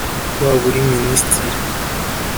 waba uri minisitiri